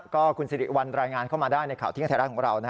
ก็คุณสิริวัลรายงานเข้ามาได้ในข่าวเที่ยงไทยรัฐของเรา